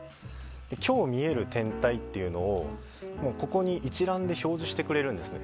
今日見える天体っていうのを一覧で表示してくれるんですね。